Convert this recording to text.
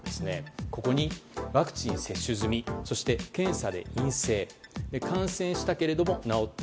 ここにワクチン接種済みそして検査で陰性感染したけれども治った。